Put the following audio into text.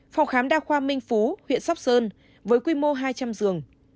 phòng khám đa khoa minh phú huyện sóc sơn với quy mô hai trăm linh giường